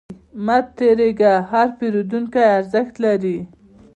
مه تریږه، هر پیرودونکی ارزښت لري.